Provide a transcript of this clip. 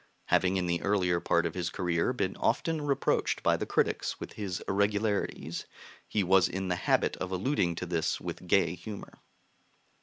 Having in the earlier part of his career been often reproached by the critics with his irregularities, he was in the habit of alluding to this with gay humor."